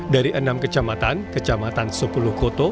dari enam kecamatan kecamatan sepuluh koto